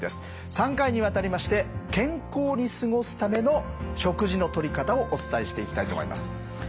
３回にわたりまして健康に過ごすための食事のとり方をお伝えしていきたいと思います。